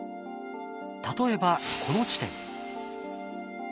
例えばこの地点。